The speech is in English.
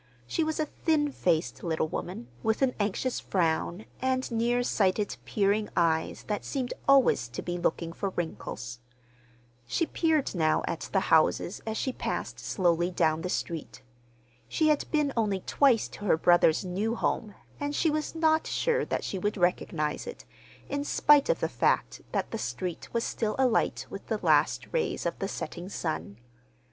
She was a thin faced little woman with an anxious frown and near sighted, peering eyes that seemed always to be looking for wrinkles. She peered now at the houses as she passed slowly down the street. She had been only twice to her brother's new home, and she was not sure that she would recognize it, in spite of the fact that the street was still alight with the last rays of the setting sun.